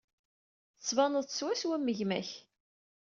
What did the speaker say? Tettbaneḍ-d swaswa am gma-k.